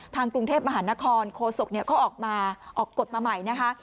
กรุงเทพมหานครโคศกเขาออกมาออกกฎมาใหม่นะคะ